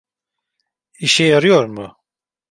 İşe yarıyor mu?